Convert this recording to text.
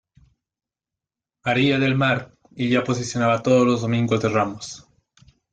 María del Mar y ya procesionaba todos los domingos de ramos.